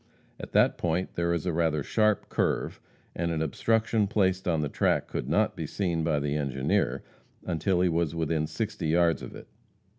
At that point there is a rather sharp curve and an obstruction placed on the track could not be seen by the engineer until he was within sixty yards of it.